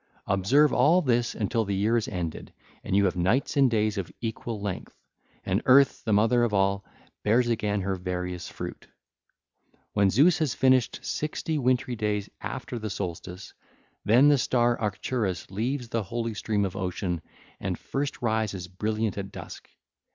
Observe all this until the year is ended and you have nights and days of equal length, and Earth, the mother of all, bears again her various fruit. (ll. 564 570) When Zeus has finished sixty wintry days after the solstice, then the star Arcturus 1325 leaves the holy stream of Ocean and first rises brilliant at dusk.